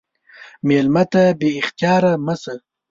مېلمه ته بې اختیاره مه شه.